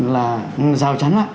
là rào chắn ạ